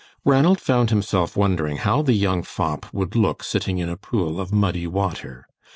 Ranald found himself wondering how the young fop would look sitting in a pool of muddy water.